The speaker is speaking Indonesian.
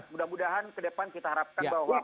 mudah mudahan ke depan kita harapkan bahwa